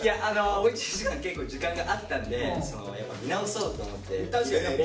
おうち時間結構時間があったんで見直そうと思って自分の勉強。